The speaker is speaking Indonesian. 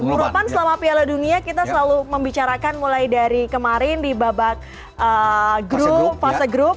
bu ropan selama piala dunia kita selalu membicarakan mulai dari kemarin di babak grup fase grup